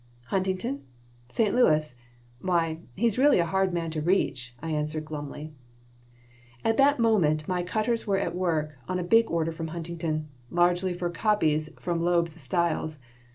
"Huntington? St. Louis? Why, he really is a hard man to reach," I answered, glumly. At that very moment my cutters were at work on a big order from Huntington, largely for copies from Loeb's styles.